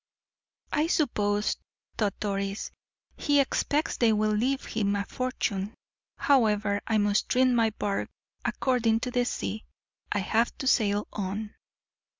"I suppose," thought Doris, "he expects they will leave him a fortune. However, I must trim my bark according to the sea I have to sail on."